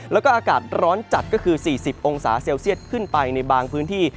แล้วก็อากาศร้อนจัดก็คือ๔๐องศาเซลเซียตขึ้นไปในบางพื้นที่